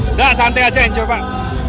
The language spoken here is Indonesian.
nggak santai aja aja pak